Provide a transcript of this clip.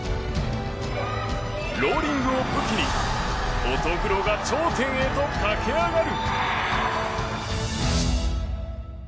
ローリングを武器に乙黒が頂点へと駆け上がる。